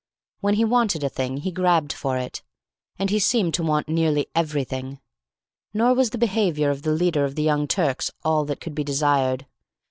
When he wanted a thing, he grabbed for it. And he seemed to want nearly everything. Nor was the behaviour of the leader of the Young Turks all that could be desired.